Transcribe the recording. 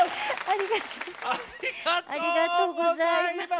ありがとうございます。